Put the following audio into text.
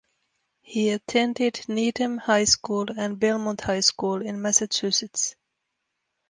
He attended Needham High School and Belmont Hill School in Massachusetts.